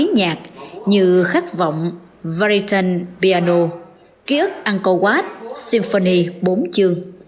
những ký nhạc như khát vọng veritan piano ký ức uncle watt symphony bốn chương